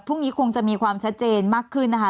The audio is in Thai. คงจะมีความชัดเจนมากขึ้นนะคะ